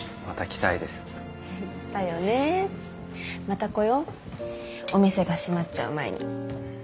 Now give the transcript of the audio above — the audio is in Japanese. また来ようお店が閉まっちゃう前に。